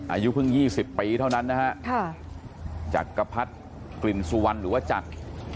อายุเพิ่ง๒๐ปีเท่านั้นนะฮะจักรพรรดิกลิ่นสุวรรณหรือว่าจักร